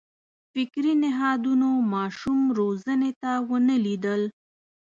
فکري نهادونو ماشوم روزنې ته ونه لېدل.